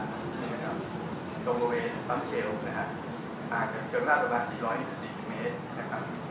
อย่างนี้นะครับตรงบริเวณท่องเชลคนะฮะมาจากเชิงร้าสามารถประมาณ๔๔๐เมตรนะครับ